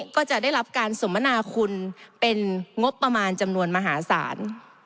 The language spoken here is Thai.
ก็จะได้รับการสมนาคุณเป็นงบประมาณจำนวนมหาศาล